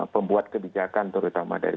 pembuat kebijakan terutama dari